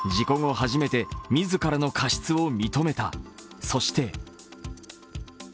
初めて自らの過失を認めた。